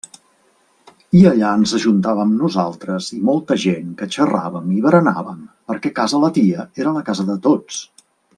I allà ens ajuntàvem nosaltres i molta gent que xerràvem i berenàvem, perquè casa la tia era la casa de tots.